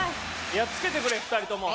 やっつけてくれ二人とも。